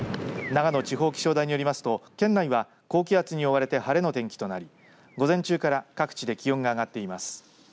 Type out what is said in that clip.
長野地方気象台によりますと県内は高気圧に覆われて晴れの天気となり午前中から各地で気温が上がっています。